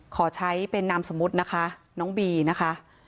ขอใช้เป็นนามสมมุตินะคะน้องบีนะคะ